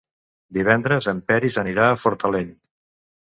Divendres en Peris anirà a Fortaleny.